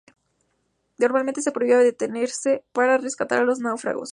Normalmente se prohibía detenerse para rescatar a los náufragos.